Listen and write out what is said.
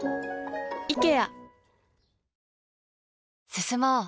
進もう。